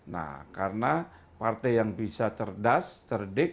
nah karena partai yang bisa cerdas cerdik